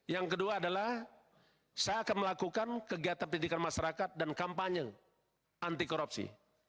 yang kedua adalah saya akan melakukan kegiatan pendidikan masyarakat dan kampanye anti korupsi